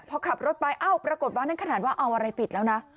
พอขับรถไปเอ้าปรากฏว่านั่นขนาดว่าเอาอะไรปิดแล้วนะ